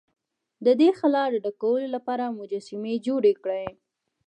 د دې خلا د ډکولو لپاره مجسمې جوړې کړې.